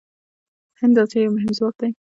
هند د اسیا یو مهم ځواک دی.